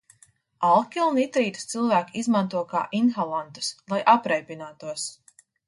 Alkilnitrītus cilvēki izmanto kā inhalantus, lai apreibinātos.